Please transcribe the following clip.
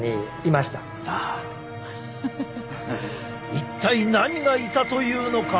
一体何がいたというのか？